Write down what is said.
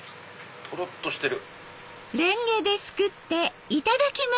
とろっとしてる。